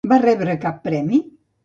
Va rebre cap premi?